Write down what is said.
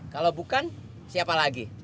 kalau bukan siapa lagi